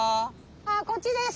こっちです。